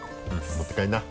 持って帰りな。